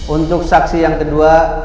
untuk saksi yang kedua